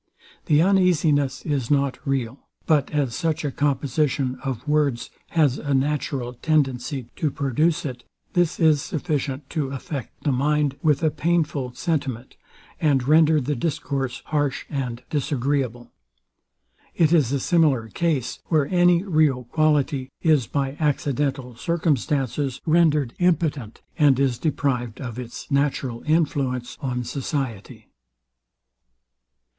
The uneasiness is not real; but as such a composition of words has a natural tendency to produce it, this is sufficient to affect the mind with a painful sentiment, and render the discourse harsh and disagreeable. It is a similar case, where any real quality is, by accidental circumstances, rendered impotent, and is deprived of its natural influence on society.